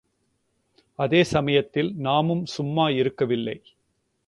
இதே சமயத்தில் நாமும் சும்மா இருக்கவில்லை.